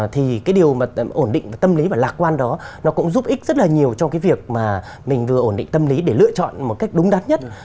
thì cái điều mà ổn định và tâm lý và lạc quan đó nó cũng giúp ích rất là nhiều cho cái việc mà mình vừa ổn định tâm lý để lựa chọn một cách đúng đắn nhất